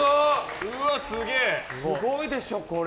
すごいでしょ、これ。